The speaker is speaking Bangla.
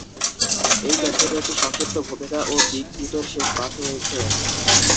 এই ক্যাসেটে একটি সংক্ষিপ্ত ভূমিকা এবং বিগ পিটের শেষ পাঠ রয়েছে।